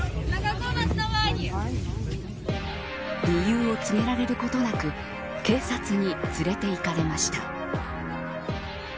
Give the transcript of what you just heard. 理由を告げられることなく警察に連れていかれました。